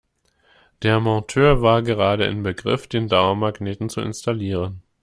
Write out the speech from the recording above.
Der Monteur war gerade in Begriff, den Dauermagneten zu installieren.